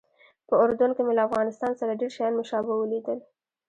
په اردن کې مې له افغانستان سره ډېر شیان مشابه ولیدل.